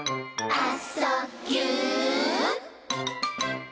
「あ・そ・ぎゅ」